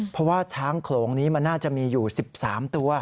เพราะว่าช้างโขลงนี้มันน่าจะมีอยู่๑๓ตัว